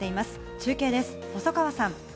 中継です、細川さん。